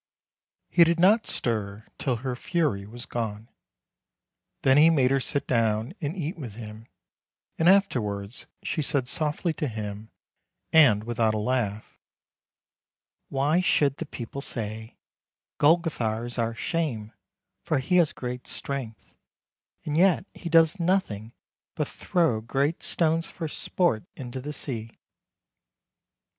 " He did not stir till her fury was gone. Then he made her sit down and eat with him, and afterwards she said softly to him, and without a laugh :" Why should the people say, * Golgothar is our shame, for he has great strength, and yet he does nothing but throw great stones for sport into the sea'